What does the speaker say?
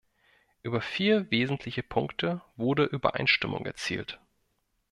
Über vier wesentliche Punkte wurde Übereinstimmung erzielt.